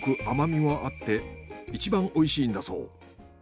甘みもあっていちばんおいしいんだそう。